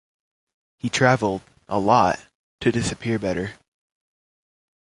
He travelled, a lot, to disappear better.